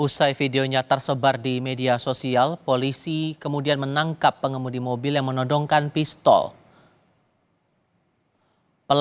usai videonya tersebar di media sosial polisi kemudian menangkap pengemudi mobil yang menodongkan pistol